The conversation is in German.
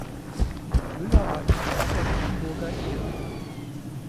Müller war Initiator der Hamburger Ehe.